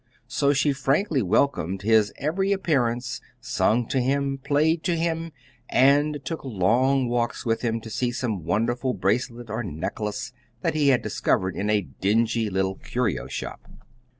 So she frankly welcomed his every appearance, sung to him, played to him, and took long walks with him to see some wonderful bracelet or necklace that he had discovered in a dingy little curio shop.